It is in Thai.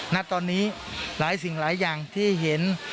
ณตอนนี้หลายสิ่งหลายอย่างที่เห็น